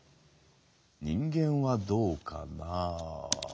人間はどうかな？